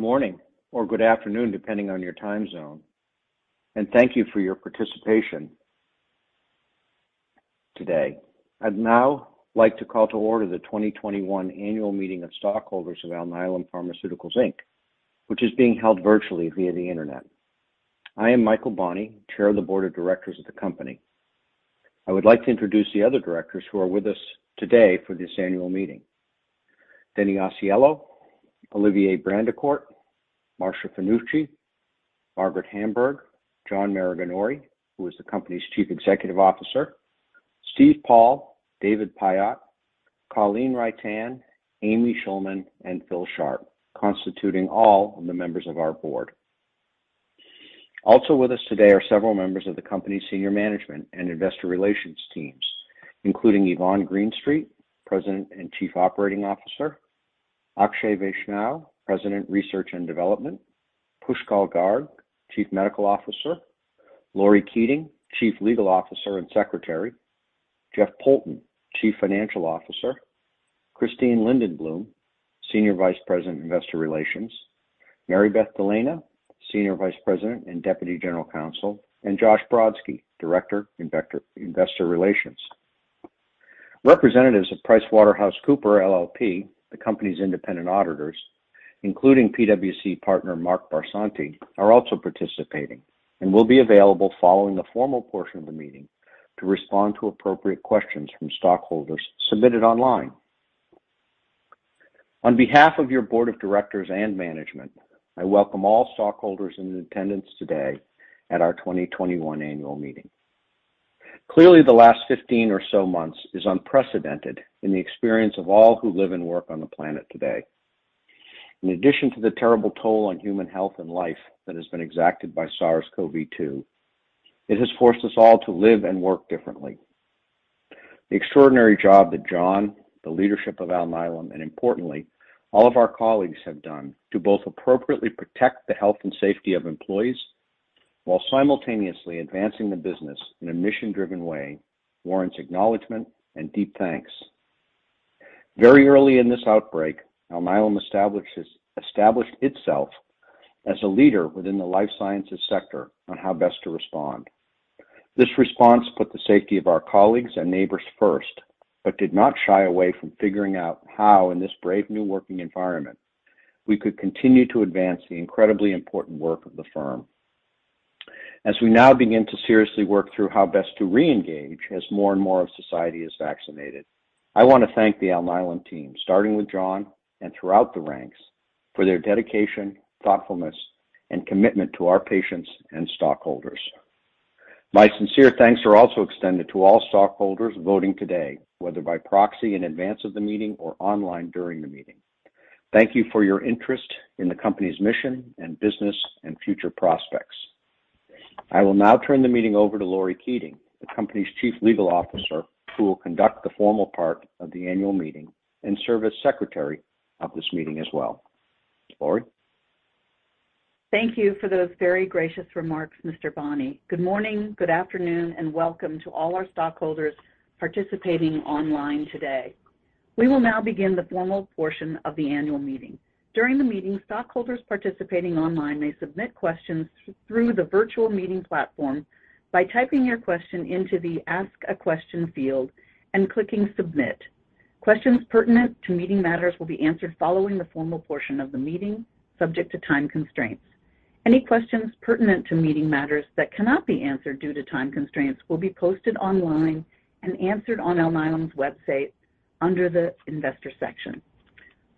Good morning, or good afternoon depending on your time zone, and thank you for your participation today. I'd now like to call to order the 2021 Annual Meeting of Stockholders of Alnylam Pharmaceuticals Inc, which is being held virtually via the Internet. I am Michael Bonney, Chair of the Board of Directors of the company. I would like to introduce the other directors who are with us today for this annual meeting: Dennis Ausiello, Olivier Brandicourt, Marsha Fanucci, Margaret Hamburg, John Maraganore, who is the company's Chief Executive Officer, Steve Paul, David Pyott, Colleen Reitan, Amy Schulman, and Phil Sharp, constituting all of the members of our board. Also with us today are several members of the company's senior management and investor relations teams, including Yvonne Greenstreet, President and Chief Operating Officer, Akshay Vaishnaw, President, Research and Development, Pushkal Garg, Chief Medical Officer, Laurie Keating, Chief Legal Officer and Secretary, Jeff Poulton, Chief Financial Officer, Christine Lindenboom, Senior Vice President, Investor Relations, Mary Beth DeLena, Senior Vice President and Deputy General Counsel, and Josh Brodsky, Director, Investor Relations. Representatives of PricewaterhouseCoopers LLP, the company's independent auditors, including PwC partner Mark Barsanti, are also participating and will be available following the formal portion of the meeting to respond to appropriate questions from stockholders submitted online. On behalf of your board of directors and management, I welcome all stockholders in attendance today at our 2021 annual meeting. Clearly, the last 15 or so months is unprecedented in the experience of all who live and work on the planet today. In addition to the terrible toll on human health and life that has been exacted by SARS-CoV-2, it has forced us all to live and work differently. The extraordinary job that John, the leadership of Alnylam, and importantly, all of our colleagues have done to both appropriately protect the health and safety of employees while simultaneously advancing the business in a mission-driven way warrants acknowledgment and deep thanks. Very early in this outbreak, Alnylam established itself as a leader within the life sciences sector on how best to respond. This response put the safety of our colleagues and neighbors first but did not shy away from figuring out how, in this brave new working environment, we could continue to advance the incredibly important work of the firm. As we now begin to seriously work through how best to re-engage as more and more of society is vaccinated, I want to thank the Alnylam team, starting with John and throughout the ranks, for their dedication, thoughtfulness, and commitment to our patients and stockholders. My sincere thanks are also extended to all stockholders voting today, whether by proxy in advance of the meeting or online during the meeting. Thank you for your interest in the company's mission and business and future prospects. I will now turn the meeting over to Laurie Keating, the company's Chief Legal Officer, who will conduct the formal part of the annual meeting and serve as Secretary of this meeting as well. Laurie? Thank you for those very gracious remarks, Mr. Bonney. Good morning, good afternoon, and welcome to all our stockholders participating online today. We will now begin the formal portion of the annual meeting. During the meeting, stockholders participating online may submit questions through the virtual meeting platform by typing your question into the Ask a Question field and clicking Submit. Questions pertinent to meeting matters will be answered following the formal portion of the meeting, subject to time constraints. Any questions pertinent to meeting matters that cannot be answered due to time constraints will be posted online and answered on Alnylam's website under the Investor section.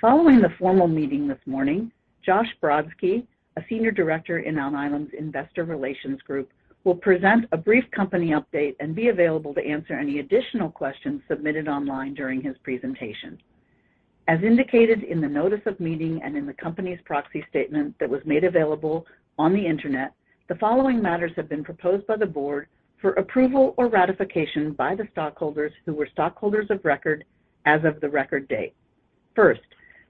Following the formal meeting this morning, Josh Brodsky, a Senior Director in Alnylam's Investor Relations Group, will present a brief company update and be available to answer any additional questions submitted online during his presentation. As indicated in the Notice of Meeting and in the company's proxy statement that was made available on the Internet, the following matters have been proposed by the board for approval or ratification by the stockholders who were stockholders of record as of the record date: first,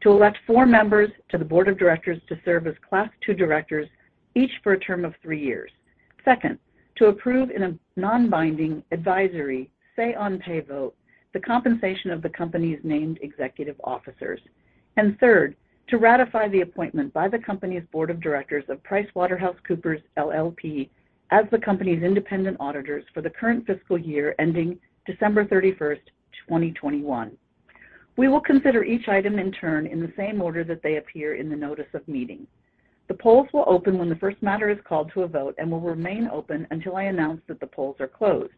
to elect four members to the Board of Directors to serve as Class II directors, each for a term of three years, second, to approve in a non-binding advisory, say-on-pay vote, the compensation of the company's named executive officers, and third, to ratify the appointment by the company's board of directors of PricewaterhouseCoopers LLP as the company's independent auditors for the current fiscal year ending December 31st, 2021. We will consider each item in turn in the same order that they appear in the Notice of Meeting. The polls will open when the first matter is called to a vote and will remain open until I announce that the polls are closed.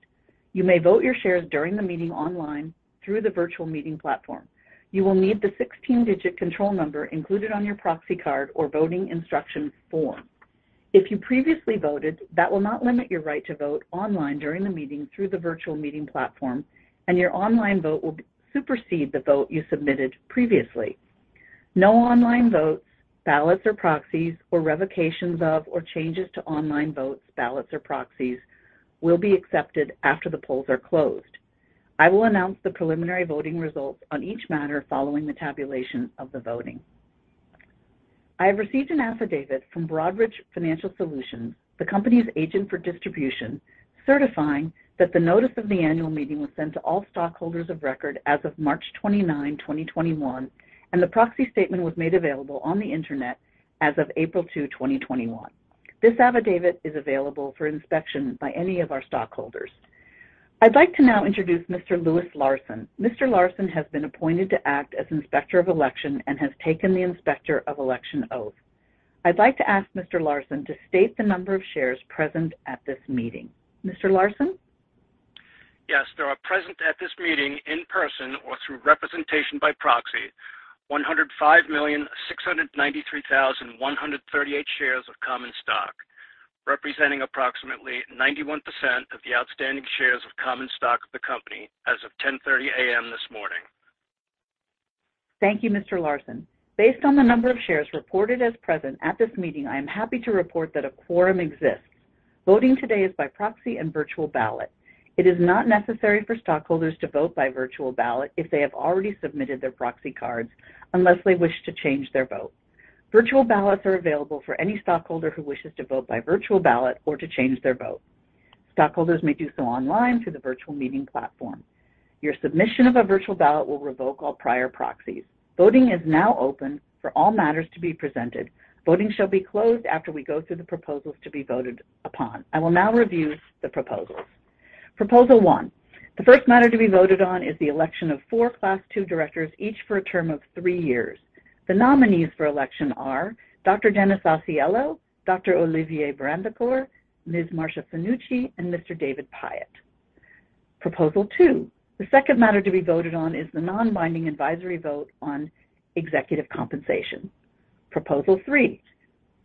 You may vote your shares during the meeting online through the virtual meeting platform. You will need the 16-digit control number included on your proxy card or voting instruction form. If you previously voted, that will not limit your right to vote online during the meeting through the virtual meeting platform, and your online vote will supersede the vote you submitted previously. No online votes, ballots, or proxies, or revocations of or changes to online votes, ballots, or proxies will be accepted after the polls are closed. I will announce the preliminary voting results on each matter following the tabulation of the voting. I have received an affidavit from Broadridge Financial Solutions, the company's agent for distribution, certifying that the Notice of the Annual Meeting was sent to all stockholders of record as of March 29, 2021, and the proxy statement was made available on the internet as of April 2, 2021. This affidavit is available for inspection by any of our stockholders. I'd like to now introduce Mr. Louis Larson. Mr. Larson has been appointed to act as Inspector of Election and has taken the Inspector of Election oath. I'd like to ask Mr. Larson to state the number of shares present at this meeting. Mr. Larson? Yes. There are present at this meeting in person or through representation by proxy 105,693,138 shares of common stock, representing approximately 91% of the outstanding shares of common stock of the company as of 10:30 A.M. this morning. Thank you, Mr. Larson. Based on the number of shares reported as present at this meeting, I am happy to report that a quorum exists. Voting today is by proxy and virtual ballot. It is not necessary for stockholders to vote by virtual ballot if they have already submitted their proxy cards, unless they wish to change their vote. Virtual ballots are available for any stockholder who wishes to vote by virtual ballot or to change their vote. Stockholders may do so online through the virtual meeting platform. Your submission of a virtual ballot will revoke all prior proxies. Voting is now open for all matters to be presented. Voting shall be closed after we go through the proposals to be voted upon. I will now review the proposals. Proposal 1: The first matter to be voted on is the election of four Class II directors, each for a term of three years. The nominees for election are Dr. Dennis Ausiello, Dr. Olivier Brandicourt, Ms. Marsha Fanucci, and Mr. David Pyott. Proposal 2: The second matter to be voted on is the non-binding advisory vote on executive compensation. Proposal 3: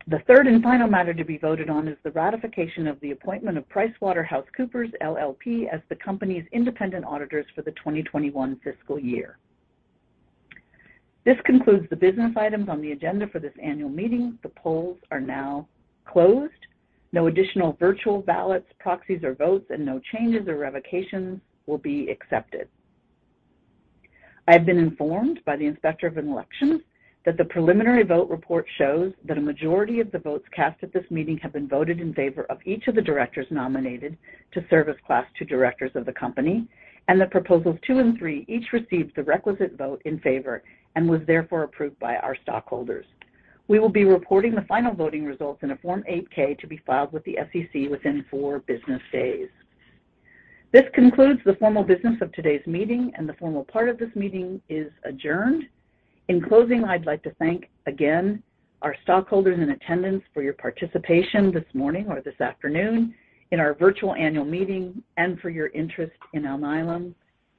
The third and final matter to be voted on is the ratification of the appointment of PricewaterhouseCoopers LLP as the company's independent auditors for the 2021 fiscal year. This concludes the business items on the agenda for this annual meeting. The polls are now closed. No additional virtual ballots, proxies, or votes, and no changes or revocations will be accepted. I have been informed by the Inspector of Elections that the preliminary vote report shows that a majority of the votes cast at this meeting have been voted in favor of each of the directors nominated to serve as Class II directors of the company, and that proposals 2 and 3 each received the requisite vote in favor and was therefore approved by our stockholders. We will be reporting the final voting results in a Form 8-K to be filed with the SEC within four business days. This concludes the formal business of today's meeting, and the formal part of this meeting is adjourned. In closing, I'd like to thank, again, our stockholders in attendance for your participation this morning or this afternoon in our virtual annual meeting and for your interest in Alnylam,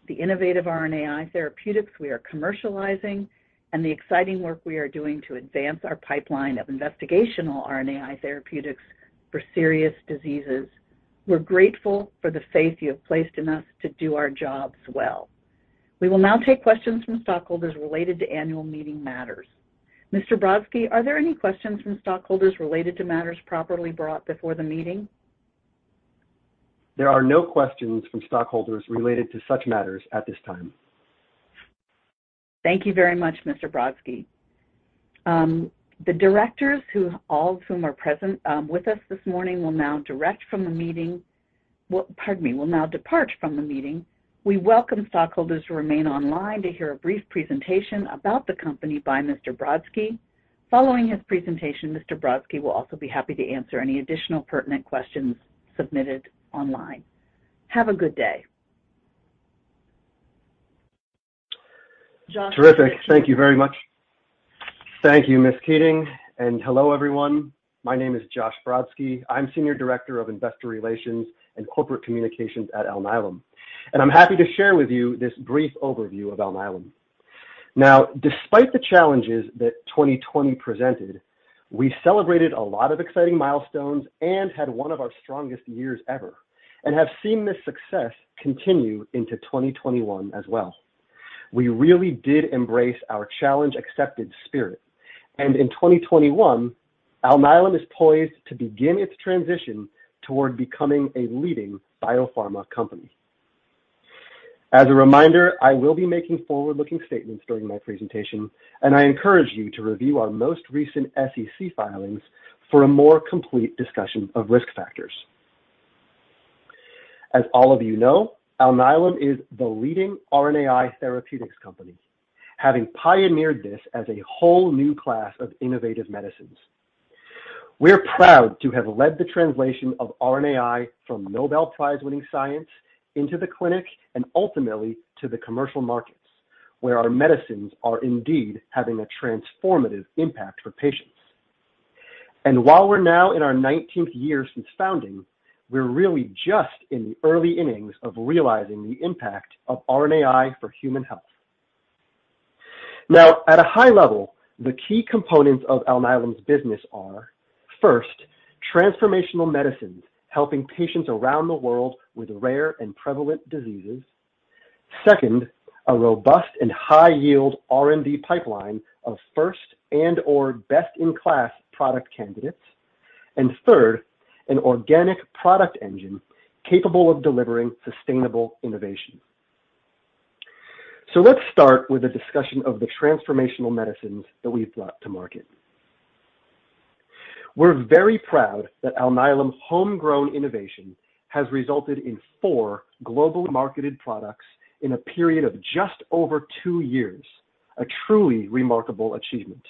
the innovative RNAi therapeutics we are commercializing, and the exciting work we are doing to advance our pipeline of investigational RNAi therapeutics for serious diseases. We're grateful for the faith you have placed in us to do our jobs well. We will now take questions from stockholders related to annual meeting matters. Mr. Brodsky, are there any questions from stockholders related to matters properly brought before the meeting? There are no questions from stockholders related to such matters at this time. Thank you very much, Mr. Brodsky. The directors, all of whom are present with us this morning, will now direct from the meeting, well, pardon me, will now depart from the meeting. We welcome stockholders to remain online to hear a brief presentation about the company by Mr. Brodsky. Following his presentation, Mr. Brodsky will also be happy to answer any additional pertinent questions submitted online. Have a good day. Terrific. Thank you very much. Thank you, Ms. Keating, and hello, everyone. My name is Josh Brodsky. I'm Senior Director of Investor Relations and Corporate Communications at Alnylam, and I'm happy to share with you this brief overview of Alnylam. Now, despite the challenges that 2020 presented, we celebrated a lot of exciting milestones and had one of our strongest years ever and have seen this success continue into 2021 as well. We really did embrace our challenge-accepted spirit, and in 2021, Alnylam is poised to begin its transition toward becoming a leading biopharma company. As a reminder, I will be making forward-looking statements during my presentation, and I encourage you to review our most recent SEC filings for a more complete discussion of risk factors. As all of you know, Alnylam is the leading RNAi therapeutics company, having pioneered this as a whole new class of innovative medicines. We're proud to have led the translation of RNAi from Nobel Prize-winning science into the clinic and ultimately to the commercial markets, where our medicines are indeed having a transformative impact for patients. And while we're now in our 19th year since founding, we're really just in the early innings of realizing the impact of RNAi for human health. Now, at a high level, the key components of Alnylam's business are: first, transformational medicines helping patients around the world with rare and prevalent diseases; second, a robust and high-yield R&D pipeline of first and/or best-in-class product candidates; and third, an organic product engine capable of delivering sustainable innovation. So let's start with a discussion of the transformational medicines that we've brought to market. We're very proud that Alnylam's homegrown innovation has resulted in four globally marketed products in a period of just over two years, a truly remarkable achievement.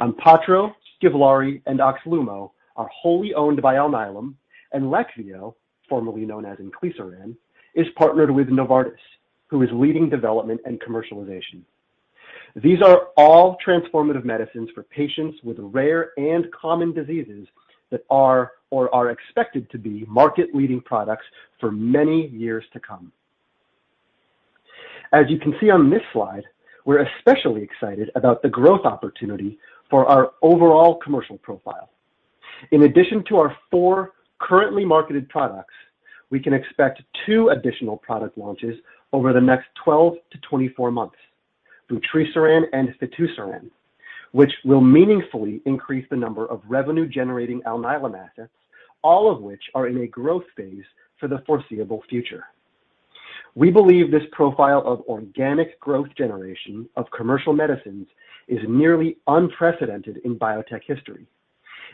ONPATTRO, GIVLAARI, and OXLUMO are wholly owned by Alnylam, and Leqvio, formerly known as inclisiran, is partnered with Novartis, who is leading development and commercialization. These are all transformative medicines for patients with rare and common diseases that are or are expected to be market-leading products for many years to come. As you can see on this slide, we're especially excited about the growth opportunity for our overall commercial profile. In addition to our four currently marketed products, we can expect two additional product launches over the next 12 to 24 months, vutrisiran and fitusiran, which will meaningfully increase the number of revenue-generating Alnylam assets, all of which are in a growth phase for the foreseeable future. We believe this profile of organic growth generation of commercial medicines is nearly unprecedented in biotech history,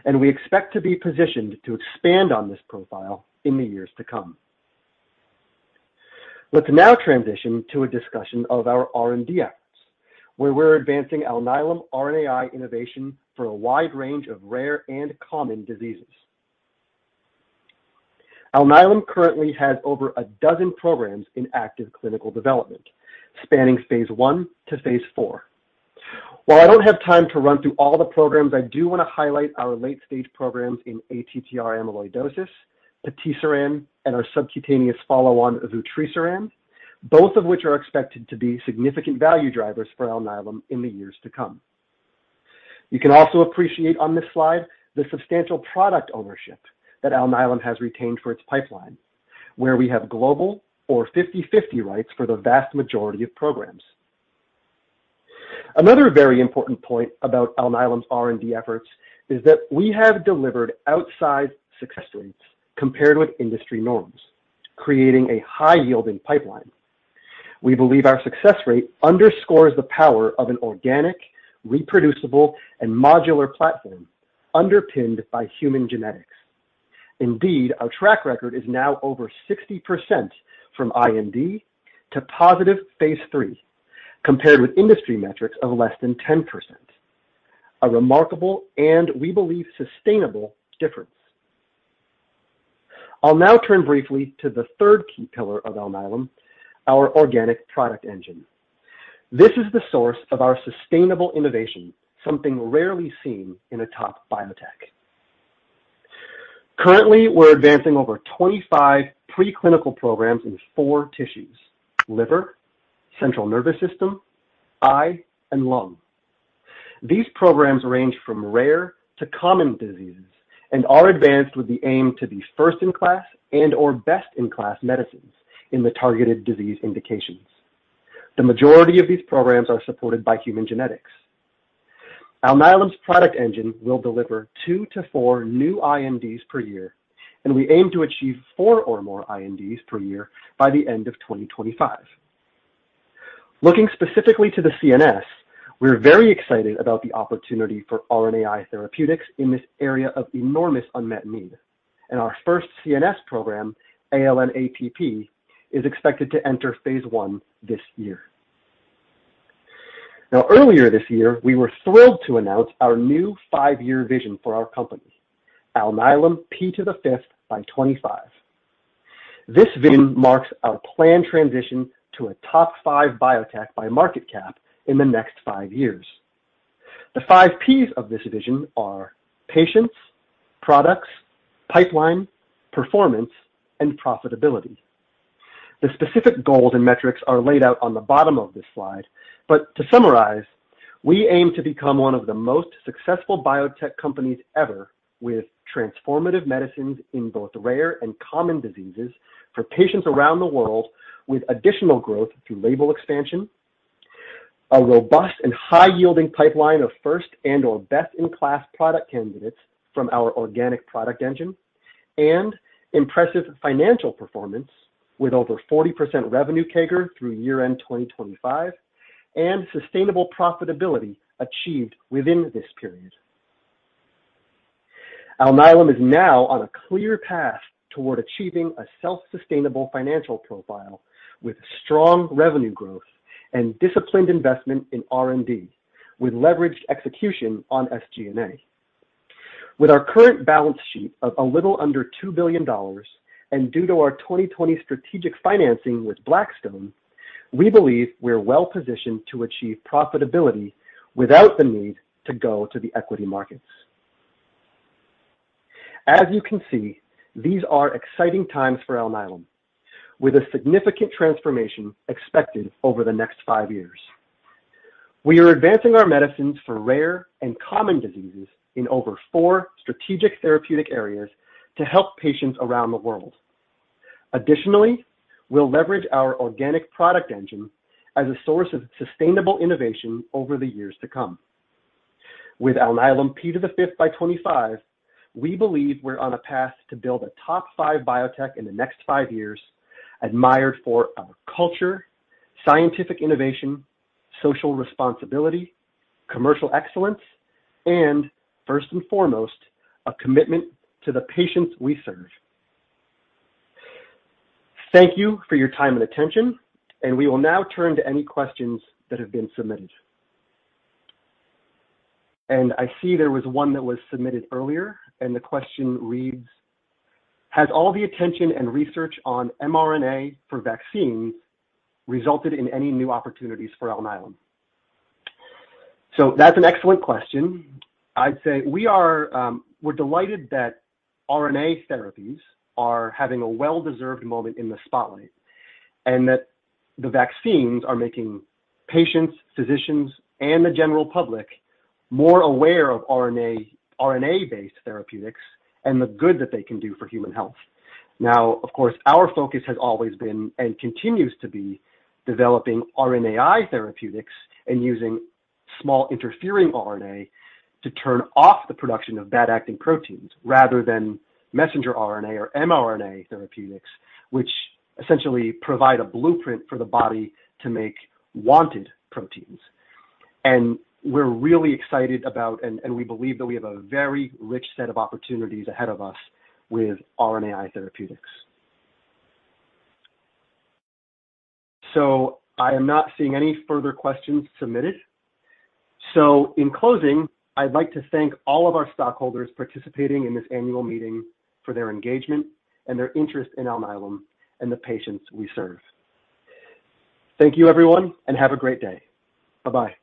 and we expect to be positioned to expand on this profile in the years to come. Let's now transition to a discussion of our R&D efforts, where we're advancing Alnylam RNAi innovation for a wide range of rare and common diseases. Alnylam currently has over a dozen programs in active clinical development, spanning phase I to phase IV. While I don't have time to run through all the programs, I do want to highlight our late-stage programs in ATTR amyloidosis, patisiran, and our subcutaneous follow-on vutrisiran, both of which are expected to be significant value drivers for Alnylam in the years to come. You can also appreciate on this slide the substantial product ownership that Alnylam has retained for its pipeline, where we have global or 50/50 rights for the vast majority of programs. Another very important point about Alnylam's R&D efforts is that we have delivered outsized success rates compared with industry norms, creating a high-yielding pipeline. We believe our success rate underscores the power of an organic, reproducible, and modular platform underpinned by human genetics. Indeed, our track record is now over 60% from IND to positive phase III, compared with industry metrics of less than 10%, a remarkable and, we believe, sustainable difference. I'll now turn briefly to the third key pillar of Alnylam, our organic product engine. This is the source of our sustainable innovation, something rarely seen in a top biotech. Currently, we're advancing over 25 preclinical programs in four tissues: liver, central nervous system, eye, and lung. These programs range from rare to common diseases and are advanced with the aim to be first-in-class and/or best-in-class medicines in the targeted disease indications. The majority of these programs are supported by human genetics. Alnylam's product engine will deliver two to four new INDs per year, and we aim to achieve four or more INDs per year by the end of 2025. Looking specifically to the CNS, we're very excited about the opportunity for RNAi therapeutics in this area of enormous unmet need, and our first CNS program, ALN-APP, is expected to enter phase I this year. Now, earlier this year, we were thrilled to announce our new five-year vision for our company, Alnylam P5x25. This vision marks our planned transition to a top five biotech by market cap in the next five years. The five P's of this vision are patients, products, pipeline, performance, and profitability. The specific goals and metrics are laid out on the bottom of this slide, but to summarize, we aim to become one of the most successful biotech companies ever with transformative medicines in both rare and common diseases for patients around the world, with additional growth through label expansion, a robust and high-yielding pipeline of first and/or best-in-class product candidates from our organic product engine, and impressive financial performance with over 40% revenue CAGR through year-end 2025, and sustainable profitability achieved within this period. Alnylam is now on a clear path toward achieving a self-sustainable financial profile with strong revenue growth and disciplined investment in R&D, with leveraged execution on SG&A. With our current balance sheet of a little under $2 billion and due to our 2020 strategic financing with Blackstone, we believe we're well-positioned to achieve profitability without the need to go to the equity markets. As you can see, these are exciting times for Alnylam, with a significant transformation expected over the next five years. We are advancing our medicines for rare and common diseases in over four strategic therapeutic areas to help patients around the world. Additionally, we'll leverage our organic product engine as a source of sustainable innovation over the years to come. With Alnylam P5x25, we believe we're on a path to build a top five biotech in the next five years admired for our culture, scientific innovation, social responsibility, commercial excellence, and first and foremost, a commitment to the patients we serve. Thank you for your time and attention, and we will now turn to any questions that have been submitted. And I see there was one that was submitted earlier, and the question reads, "Has all the attention and research on mRNA for vaccines resulted in any new opportunities for Alnylam?" So that's an excellent question. I'd say we are delighted that RNA therapies are having a well-deserved moment in the spotlight and that the vaccines are making patients, physicians, and the general public more aware of RNA-based therapeutics and the good that they can do for human health. Now, of course, our focus has always been and continues to be developing RNAi therapeutics and using small interfering RNA to turn off the production of bad-acting proteins rather than messenger RNA or mRNA therapeutics, which essentially provide a blueprint for the body to make wanted proteins. And we're really excited about, and we believe that we have a very rich set of opportunities ahead of us with RNAi therapeutics. I am not seeing any further questions submitted. In closing, I'd like to thank all of our stockholders participating in this annual meeting for their engagement and their interest in Alnylam and the patients we serve. Thank you, everyone, and have a great day. Bye-bye.